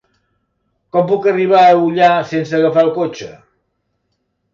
Com puc arribar a Ullà sense agafar el cotxe?